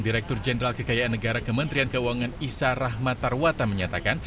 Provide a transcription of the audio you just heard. direktur jenderal kekayaan negara kementerian keuangan isa rahmat tarwata menyatakan